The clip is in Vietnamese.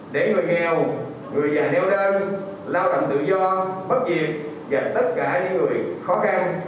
để người nghèo người già nếu đơn lao động tự do bất diệt gặp tất cả những người khó khăn